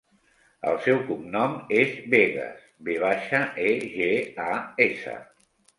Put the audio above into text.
El seu cognom és Vegas: ve baixa, e, ge, a, essa.